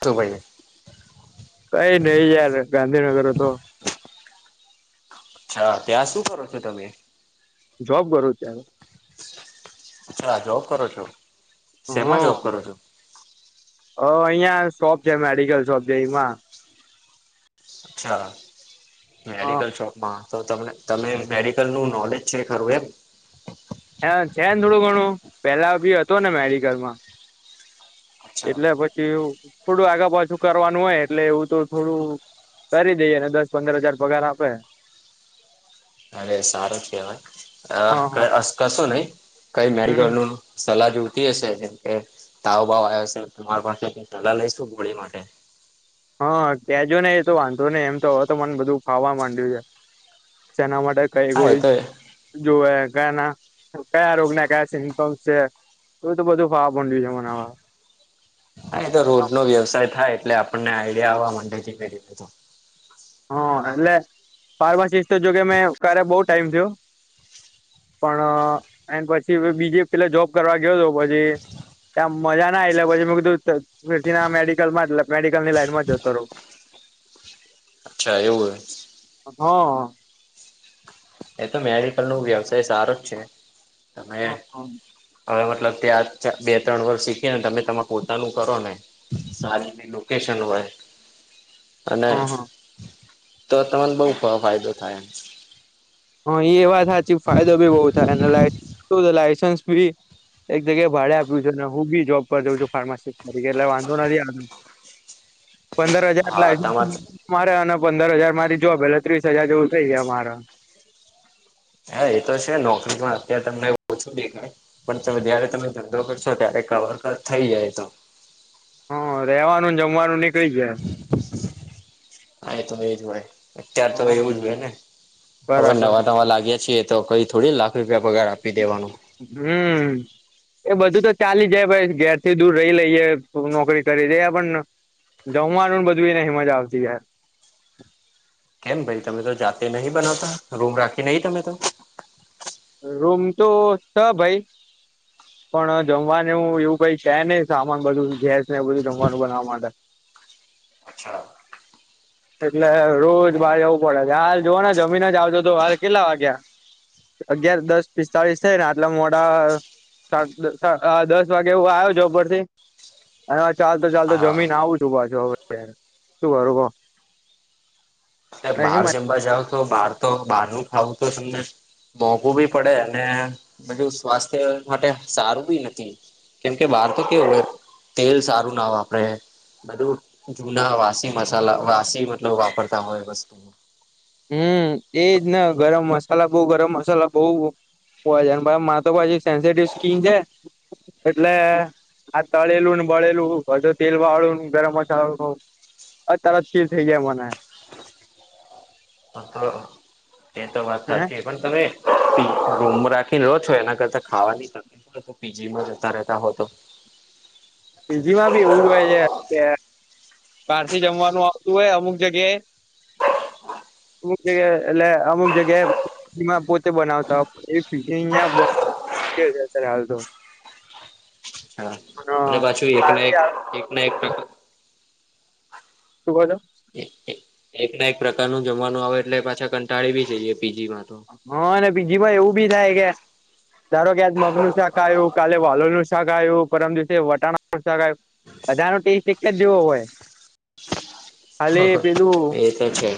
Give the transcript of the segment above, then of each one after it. Dubai. કઈ નહી યાર ગાંધીનગર તો અચ્છા ત્યાં શું કરો છો તમે જોબ કરો ત્યારે અ્છા જોબ કરો છો શેમાં જોબ કરો છો હ અહિયાં શોપ છે મેડિકલ શોપ છે એમાં અચ્છા હા, મેડિકલ શોપમાં તો તને તમે મેડિકલ નું નોલેજ છે ખરું એમ હ છે ને થોડું ઘણું પેલા બી હતો ને મેડિકલમાં અચ્છા એટલે પછી થોડું આગા પાછું કરવાનું હોય એટલે એવું તો થોડું કરી દઈએ અને દસ પંદર હજાર પગાર આપે અરે સારું હા હા કેહેવાય કસો નહી કઈ મેડિકલ હમ નું સલાહ જોઈતી હશે જેમ કે તાવ બાવ આયો હશે તો તમારી પાસે સલાહ લઈશું ગોળી માટે હા કેજો ને એ તો વાંધો નહી એમ તો હવે તો મને બધું ફાવા માંડ્યું છે જેના માટે કઈ હા એ ગોળી તો જોવે ક ના કયા રોગ ના કયા સિમ્ટમ્સ છે એ તો બધું ફાવા મડ્યું છે હવે મને હા તો રોજ નો વ્યવસાય થાય એટલે આપણને આઈડિયા આવવા માંડે કે કઈ રીત નુ હા એટલે ફાર્માસિસ્ટ જો કે મેં ક્યારે બઉ ટાઈમ થયો. પણ એ પછી બીજે પેલા જોબ કરવા ગયો હતો પછી. ત્યા મજા ના એટલે પછી મે કીધું ફ ના મેડિકલ માં મેડિકલ ની લાઈનમાં જતો રહવ અચ્છા એવું હોય. હ અ એ તો મેડિકલ નો વ્યવસાય સારો જ છે તમે હા હા હવે મતલબ ત્યાં જ બે ત્રણ વર્ષ શીખીએ ને તમે તમામે પોતાનું કરો ને સારી લોકેશ [unintelligible] [unintelligible] અને હા તો તમને બહુ ગણો ફાયદો થાય એમ. હા એ વાત હાચી ફાયદો બી એક જગ્યાએ ભાડે આપ્યું છે ને હું બી જોબ પર જઉં છું ફાર્માસિસ્ટ તરીકે એટલે વાંધો નથી આવતો. પંદર હજાર હા તમારે [inaudible] પંદર હજાર મારી જોબ એટલે ત્રીસ હજાર જેવું થઈ ગયા મારા હા એ તો છે નોકરી પણ અત્યારે તમને ઓછું દેખાય પણ તમે જયારે તમે ધંધો કરશો ત્યારે કવર કર થઈ જાય એ તો હહ રેવાનું ને જમવાનું નીકળી જાય. હા એ તો એજ હોય. અત્યાર હ તો એવું જ હોય ને હવે બરાબર. નવા નવા લાગ્યા છીએ તો કઈ થોડી લાખ રૂપિયા પગાર આપી દેવાનું હમ એ બધું તો ચાલી જાય ભાઈ ઘેરથી દૂર રહી લઈએ નોકરી કરી દે પણ જમવાનું ને બધું એ નહીં મજા આવતી યાર. કેમ ભાઈ તમે તો જાતે નહી બનાવતા? રૂમ રાખી નહી તમે તો? રૂમ તો ભાઈ પણ જમવાનું એવું કંઈ છે નહીં સામાન બધું ગેસ એ બધું જમવાનું બનાવા માટે અચ્છા એટલે રોજ બાર જવું પડે છે હાલ જોવા જમીન જ આવજો તો હાલ કેટલા વાગ્યા. અગિયાર દસ પિસ્તાળીસ થાય ને આટલા મોડા સાદ દસ અ આ દસ વાગે એવું આવ્યો છે ઉપરથી [unintelligible] ચાલ તો ચાલતો હા જમીને આવું છું પાછો હવે [unintelligible] શું કરું બો એટલે બહાર જમવા જાઉં તો બાર તો બહાર નું ખાવું તો તમને મોંઘું બી પડે અને બધું સ્વાસ્થ્ય માટે સારું બી નથી. કેમ કે બહાર તો કેવું હોય તેલ સારું ના વાપરે. બધું જુના વાસી મસાલા વાસી મતલબ વાપરતા હોય બસ. હમ એજ ને ગરમ મસાલા બઉ ગરમ મસાલા બહુ હોય છે અને મારે તો પછી સેન્સટિવ સ્કીન છે. એટલે આ તળેલું ને બળેલું વધારે તેલ વાળું ને ગરમ મસાલો અ તરત ફિલ થઈ જાય મને હઅ એ તો વાત હે સાચી પણ તમે રૂમ રાખીને રો છો એના કરતા ખાવાની તકલીફ હોય તો પીજીમાં જતા રેતા હોતો. પીજીમાં ભી એવું જ હોય છે કે બારથી જમવાનું આવતું હોય અમુક જગ્યાએ અમુક જગ્યા એટલે અમુક જગ્યાએ માં પોતે બનાવતા હોય એવી પીજી અહીંયા [inaudible] કે છે સર હાલ તો હા અને પાછું એકના બહારથી એક આવે એકના એક પ્રક શું બોલો? એક ના એક પ્રકારનું જમવાનું આવે એટલે પાછા કંટાળી બી જઈએ. પીજીમાં તો હહ ને પીજીમાં એવું બી થાય કે ધારો કે આજ મગનું શાક આયું, કાલે વાલોરનું શાક આયું, પરમ દિવસે વટાણાનું શાક આયુ. બધાનો ટેસ્ટ એક જ જેવો હોય. ખાલી પેલું એ તો છે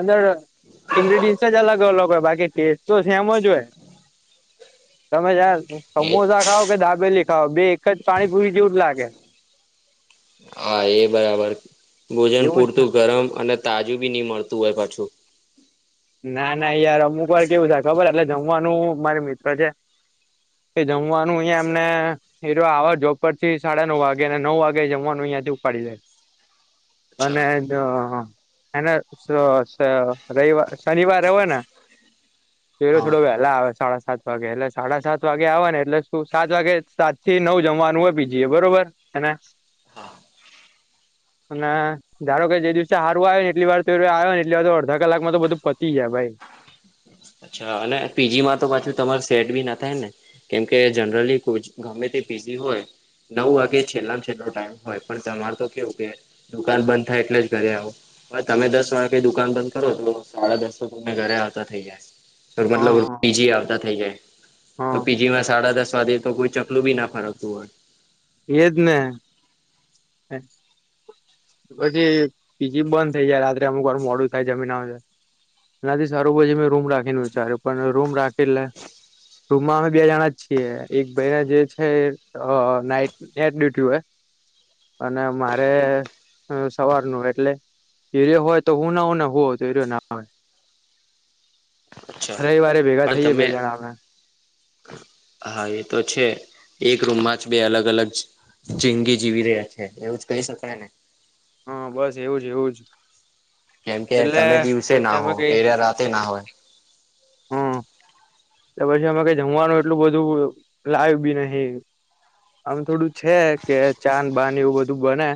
અંદર ઇંગ્રીડિયન જ અલગ એ અલગ હોય બાકી ટેસ્ટ તો સેમ જ હોય. તમે યાર એ સમોસા ખાવ કે દાબેલી ખાવ બે એક જ પાણીપુરી જેવું જ લાગે. [inaudible] [unintelligible] હા એ બરાબર ભોજન એવું જ પૂરતું ગરમ અને તાજું ભી ની મળત તું એ પાછું ના ના યાર અમુક વાર કેવું થાય ખબર એટલે જમવાનું મારે મિત્ર છે. એ જમવાનું અહીંયા અમને એરો આવે જોબ પરથી સાડા નવ વાગે ને નવ વાગે જમવાનું ઈયાથી ઉપાડી જાય. અને અચ્છા એનો એને સ સ રવિવાર શનિવારે હોય ને એરો હા થોડો વહેલા આવે સાડા સાત વાગે એટલે સાડા સાત વાગે આવે ને એટલે શું સાત વાગે સાત થી નવ જમ વાનું હોય પીજી એ બરોબર એને હા અને ધારો કે જે દિવસે હારું આયુ ને એટલી વાર તો એરો આયો ને એટલી વાર તો અડધા કલાકમાં તો બધું પત તીયા ભાઈ. અચ્છા અને પીજીમાં તો પાછું તમારે સેટ ભી ના થાય ને કેમકે જનરલી કોચ ગમે તે જી હોય નવ વાગે છેલ્લો છેલ્લો ટાઈમ હોય પણ તમારે તો કેવું કે દુકાન બંધ થાય એટલે જ ઘરે આવો. હવે તમે દસ વાગે દુકાન બંધ કરો તો સાડા દસ તો તમને ઘરે આવતા થઇ જાય. હા મતલબ હા પીજી આવતા થઈ જાય, તો હા પીજી માં સાડા દસ વાગેે તો કોઈ ચકલું ભી ના ફરકતું હોય. એજ ને. ને પછી પીજી બંધ થઇ જાય રાત્રે અમુક વાર મોડું થાય જમીન આવિન એનાથી સારું પછી મેં રૂમ રાખીને વિચાર્યું પણ રૂમ રાખી એટલે રૂમમાં અમે બે જણા જ છીએ એક ભાઈને જે છે અ નાઈટ નાટ ડ્યુટી હોય. અને મારે અ સવારનું એટલે હીરો હોય તો હું ના હોઉં ને, હું હોઉં તો હીરો ના હોય. અચ્છા રવિવારે ભેગા પણ થઈએે તમે બે જણા અમે. હા એ તો છે. એક રૂમમાં જ બે અલગ અલગ જિંદગી જીવી રહ્યા છે, એવું જ કહી શકાય ને. હા બસ એવું જ એવું જ. કેમ કે એટલે તમે દિવસે પછી ના અમે હો, કઈ એરા રાતે ના હોય. હમ પછી અમે કાઇ જમવાનું એટલું બધું લાઈ ભી નહીં આમ થોડું છે કે ચાન બાન એવું બધું બને.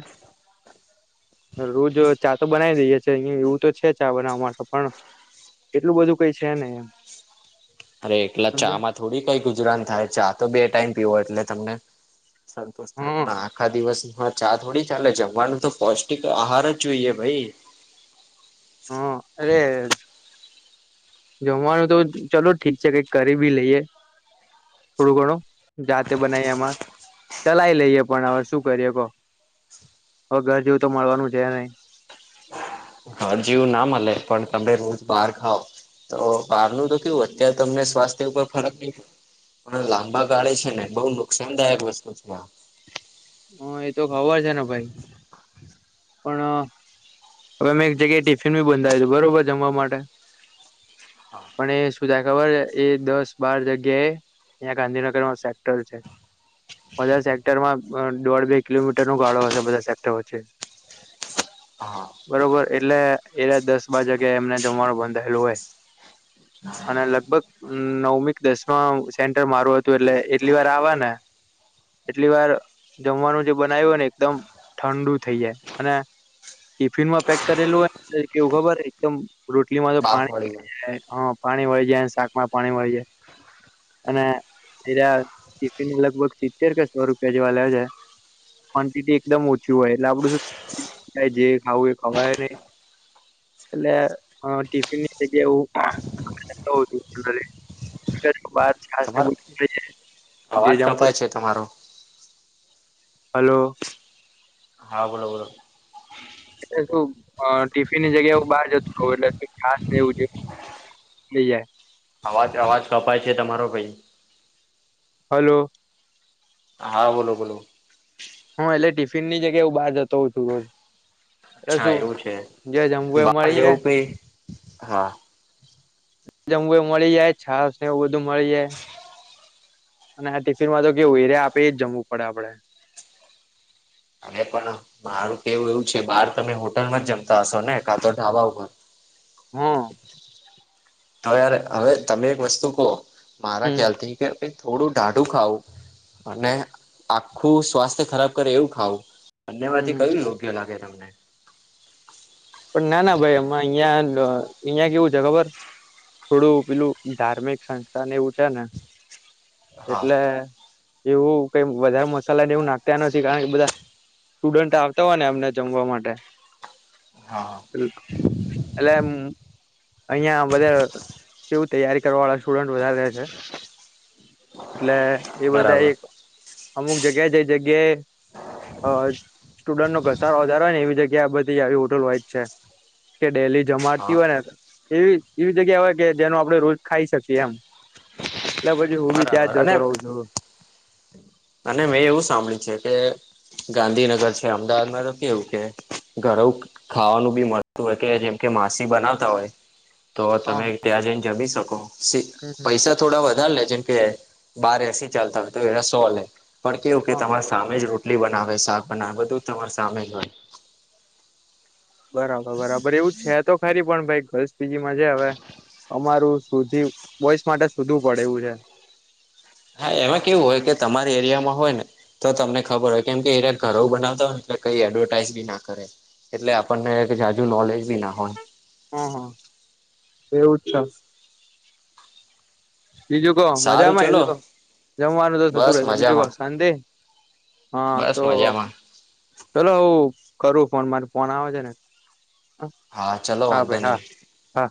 રોજ ચા તો બનાઈ દઈએે છે અહી એવું તો છે ચા બનાવવા માટે પણ એટલું બધું કઈ છે નઈ એમ. અરે એકલા ચા સમજ્યા માં થોડી કઈ ગુજરાન થાય ચા તો બે ટાઈમ પીવો એટલે તમને સંતોષ થાય હા પણ, આખા દિવસ હા ચા થોડી ચાલે જમવાનું તો પૌષ્ટિક આહાર જ જોઈએ ભઈ. હા અરેજ જમવાનું તો ચલો ઠીક છે, કઈક કરી ભી લઈએ. થોડું ઘણું જાતે બનાય એમાં ચલાય લઈએ પણ હવે શું કરીએ, કો. હવે ઘર જેવું તો મળવાનું છે નઈ. ઘર જેવું ના મળે, પણ તમે રોજ બાર ખાવ તો બહારનું તો કેવું અત્યારે તમને સ્વાસ્થ્ય ઉપર ફરક ની પણ લાંબા ગાળે છે ને બહુ નુકસાનદાયક વસ્તુ છે આ. હ એ તો ખબર છે ને ભાઈ પણ અ હવે મે એક જગ્યાએ ટિફિન બી બંધાયુ તું બરોબર જમવા માટે. પણ એ સુું થાય. ખબર એ દસ બાર જગ્યા એ ત્યાં ગાંધીનગરમાં સેક્ટર છે. બધા સેક્ટરમાં દોઢ બે કિલોમીટર નો ગાળો હશે બધા સેક્ટર વચ્ચે. હા બરોબર એટલે એરા દસ બાર વાગ્યા એમને જમવાનું બંધાયેલું હોય. હા. અને લગભગ નવમી કે દસમાં સેન્ટર મારું હતું એટલે એટલી વાર આવે ને એટલી વાર જમવાનું જે બનાવ્યું હોય ને એકદમ ઠંડુ થઇ જાય અને ટિફિન માં પેક કરેલું હોય કેવું ખબર એકદમ રોટલીમાં તો બાફવાળી પાણી [unintelligible] અ પાણી વળી જાયને, શાકમાં પાણી વળી જાય. અને એર્યા ટિફિન લગભગ સિત્તેર કે સો રૂપિયા જેવા લે છે. કવોન્ટેટી એકદમ ઓછી હોય એટલે આપડું શું જે ખાવું એ ખવાય નઈ એટલે અ ટિફિનની જગ્યા હું. તમારો [unintelligible] [unintelligible] અવાજ કપાય છે તમારો. હલો. હા બોલો બોલો. એટલે શું અ ટિફિનની જગ્યાએ હું બહાર જત ખઉં એટલે શ છાસ એવું જે કઈ. નઈ જાય. અવાજ અવાજ કપાય છે તમારો ભઈ. હલો. હા બોલો બોલો. હું એટલે ટિફિનની જગ્યા હું બાર જતો હોઉ છું રોજ. એટલે અચ્છા શું એવું છે. જે જમવું એ બહાર મળી જાય જવું કઈ હા. જમવુંએ મળી જાય છાસ એવું બધું મળી જાય. અને આ ટિફિર માં તો કે એર્યા આપે એજ જમવું પડે આપડે. અને પણ મારું કેવું એવું છે બહાર તમે હોટલમાં જમતા હશો ને કાતો ઢાબા ઉપર. હ અ. હવે હવે તમે એક વસ્તુ કો મારા હમ ખ્યાલ થી કે થોડું ઢાઢુ ખાવું અને આખું સ્વાસ્થ્ય ખરાબ કરે એવું ખાવું બંને હમ માંથી હમ કયું યોગ્ય લાગે તમને. પણ ના ના ભાઈ એમાં અહિયાં અહિયાં કેવું છે ખબર થોડું પેલું ધાર્મિક સંસ્થાન એવું છે ને હા એટલે એવું કઈ વધારે મસાલા ને એવું નાખતા નથી કારણ કે બધા સ્ટુડન્ટ આવતા હોય ને અમને જમવા માટે. હા એલે હ. અહિયાં બધા કેવું તૈયારી કરવાવાળા સ્ટુડન્ટ વધારે રહે છે. એટલે એ બધા બરાબર એક અમુક જગ્યા જે જગ્યાએ હજ. સ્ટુડન્ટનો ઘસારો વધારે હોય ને એવી જગ્યા બધી આવી હોટલ હોય જ છે. કે ડેલી જમાડતી હા હોય ને એવી એવી જગ્યા હોય કે જેનો આપણેે રોજ ખાઈ શકીએ એમ. એટલે પછી હું બી ત્યાં બરાબર જ અને જતો રહું છું. અને મેં એવું સાંભળ્યું છે કે ગાંધીનગર છે અમદાવાદમાં તો કેવું કે ઘરઉ ખાવાનું બી મળતું હોય કે જેમ કે માસી બનાવતા હોય તો હા તમે ત્યાં જઈને જમી શકો હમ હમ પૈસા થોડા વધારે લે. જેમ કે બાર એસી ચાલતા હોય તો એના સો લે પણ કેવું કે હા તમારી સામે રો ટલી બનાવે શાક બનાવે બધું તમાર સામે જ હોય. બરાબર બરાબર એવું છે તો ખરી પણ ભાઈ ગર્લ્સ પીજીમાં છે જ હવે અમારું સુધી બોઈસ માટે શોધવું પડે એવું છે. હા એમાં કેવું હોય કે તમારી એરિયામાં હોય ને. તો તમને ખબર હોય કેમ કે એ ઘરોઉ બનાવતા હોયને એટલે કઈ એડવર્ટાઈઝ બી ના કરે. એટલે આપણને જાજુ નોલેજ બી ના હોય. હ હ એવું જ છે બીજું કહો સારું મજામાં ચલો જમવાનું તો થતું બસ રહેશે બીજું કહો મજામાં શાંતિ. હા બસ તો મજામાં ચલો હું કરું ફોન મારે ફોન આવે છે ને. હા ચલો હા વાંધો ભાઈ નહી હા હા.